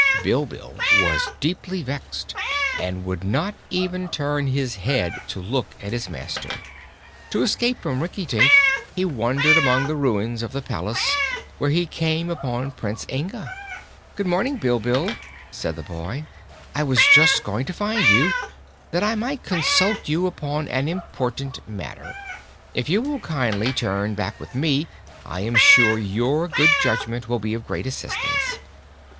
Bilbil was deeply vexed and would not even turn his head to look at his master. To escape from Rinkitink he wandered among the ruins of the palace, where he came upon Prince Inga. "Good morning, Bilbil," said the boy. "I was just going to find you, that I might consult you upon an important matter. If you will kindly turn back with me I am sure your good judgment will be of great assistance."